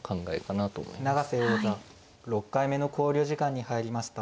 永瀬王座６回目の考慮時間に入りました。